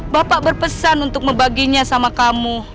bapak berpesan untuk membaginya sama kamu